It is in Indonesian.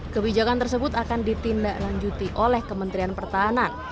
kebijakan tersebut akan ditindaklanjuti oleh kementerian pertahanan